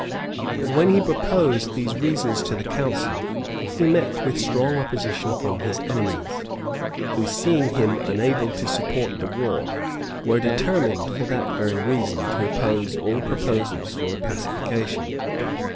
But when he proposed these reasons to the council, he met with strong opposition from his enemies; who, seeing him unable to support the war, were determined, for that very reason, to oppose all proposals for a pacification.